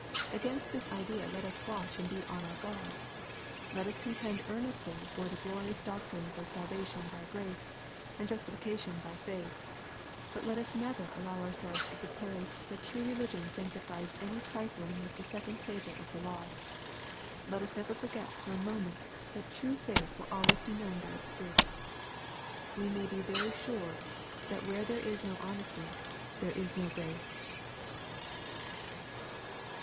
Against this idea let us watch and be on our guard. Let us contend earnestly for the glorious doc trines of salvation by grace, and justification by faith. But let us never allow ourselves to suppose that true re ligion sanctions any trifling with the second table of the law. Let us never forget for a moment, that true faith will always be known by its fruits. We may be very sure that where there is no honesty, there is no grace.